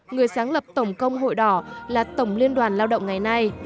người sáng lập tổng công hội đỏ là tổng liên đoàn lao động ngày nay